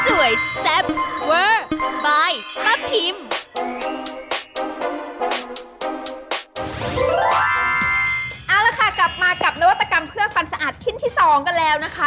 เอาละค่ะกลับมากับนวัตกรรมเพื่อฟันสะอาดชิ้นที่๒กันแล้วนะคะ